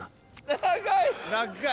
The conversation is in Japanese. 長い！